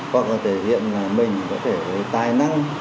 hoặc là thể hiện mình có thể tài năng